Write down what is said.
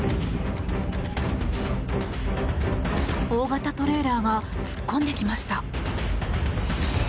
大型トレーラーが突っ込んできました。